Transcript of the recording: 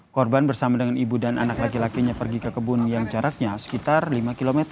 korban bersama dengan ibu dan anak laki lakinya pergi ke kebun yang jaraknya sekitar lima km